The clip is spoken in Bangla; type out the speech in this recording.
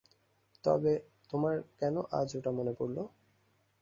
তবে তোমার কেন আজ ওটা মনে পড়ল।